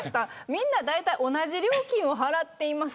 みんな同じ料金を払っています。